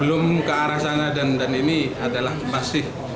belum ke arah sana dan ini adalah masih